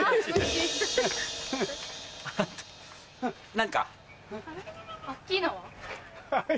何か？